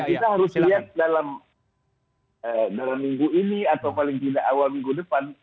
kita harus lihat dalam minggu ini atau paling tidak awal minggu depan